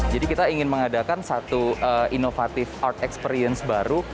jadi kita ingin mengadakan satu inovatif art experience baru